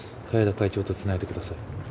海江田会長とつないでください。